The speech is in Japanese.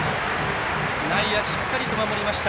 内野、しっかりと守りました。